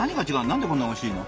何でこんなおいしいの？